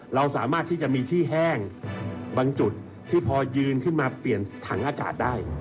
เราสามารถที่จะมีที่แห้งบางจุดที่พอยืนขึ้นมาเปลี่ยนถังอากาศได้